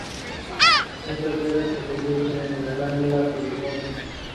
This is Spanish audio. Esta seda se produce en la glándula piriforme.